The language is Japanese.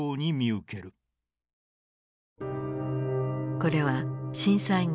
これは震災後